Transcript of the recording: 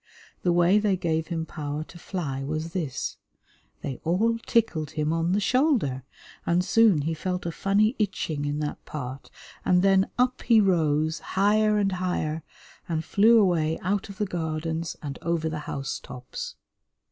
The way they gave him power to fly was this: They all tickled him on the shoulder, and soon he felt a funny itching in that part and then up he rose higher and higher and flew away out of the Gardens and over the house tops.